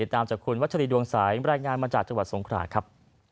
ตามจากคุณวัชรีดวงสายรายงานมาจากจังหวัดสงคราครับ